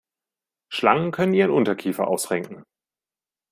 Schlangen können ihren Unterkiefer ausrenken.